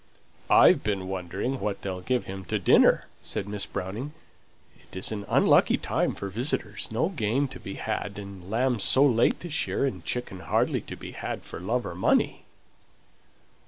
"I've been wondering what they'll give him to dinner," said Miss Browning. "It is an unlucky time for visitors; no game to be had, and lamb so late this year, and chicken hardly to be had for love or money."